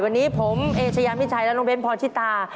วันนี้ผมเอเชยามิชัยและน้องเบ้นพรชิตา